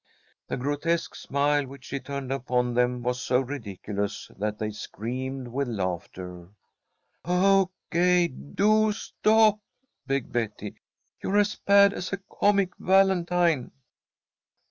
The grotesque smile which she turned upon them was so ridiculous that they screamed with laughter. "Oh, Gay, do stop!" begged Betty. "You're as bad as a comic valentine."